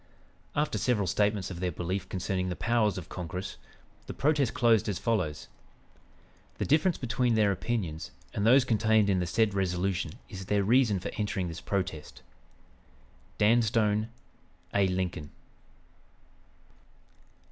[After several statements of their belief concerning the powers of Congress, the protest closed as follows:] "The difference between their opinions and those contained in the said resolution is their reason for entering this protest. "DAN STONE, "A. LINCOLN."